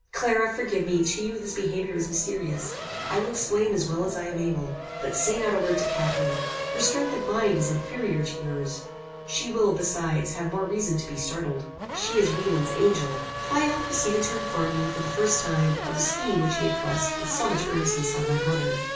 "Clara, forgive me; to you, this behaviour is mysterious. I will explain as well as I am able. But say not a word to Catharine. Her strength of mind is inferior to your's. She will, besides, have more reason to be startled. She is Wieland's angel." Pleyel proceeded to inform me, for the first time, of the scheme which he had pressed, with so much earnestness, on my brother.